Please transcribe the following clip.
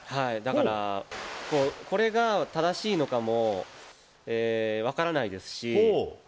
これが正しいのかもわからないですし。